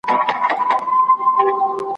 ستا په لار کي مي اوبه کړل په تڼاکو رباتونه `